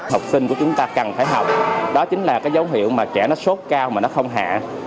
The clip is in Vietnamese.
học sinh của chúng ta cần phải học đó chính là cái dấu hiệu mà trẻ nó sốt cao mà nó không hạ